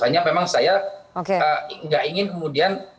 hanya memang saya nggak ingin kemudian